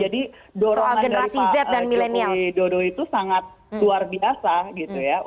jadi dorongan dari pak jokowi dodo itu sangat luar biasa gitu ya untuk pemuda pemuda